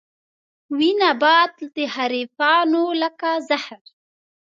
وي نبات د حريفانو لکه زهر